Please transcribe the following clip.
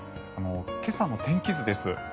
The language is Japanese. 今朝の天気図です。